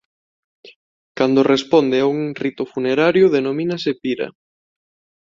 Cando responde a un rito funerario denomínase pira.